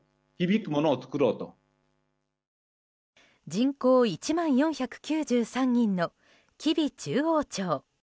人口１万４９３人の吉備中央町。